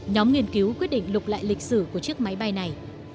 nhóm nghiên cứu quyết định lục lại lịch sử của chiếc máy bay này